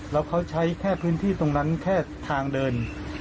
แล้วเขาใช้แค่พื้นที่ตรงนั้นแค่ทางเดิน